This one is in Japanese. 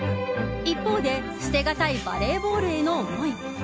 一方で捨てがたいバレーボールへの思い。